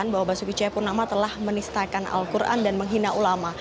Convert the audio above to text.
bahwa basuki cepurnama telah menistakan al quran dan menghina ulama